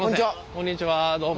こんにちはどうも。